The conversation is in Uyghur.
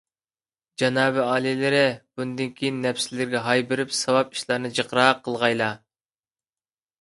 جانابىي ئالىيلىرى، بۇندىن كېيىن نەپسىلىرىگە ھاي بېرىپ ساۋاب ئىشلارنى جىقراق قىلغايلا.